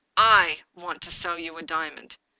"/ want to sell you a diamond.